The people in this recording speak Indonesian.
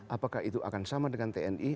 apakah itu akan sama dengan tni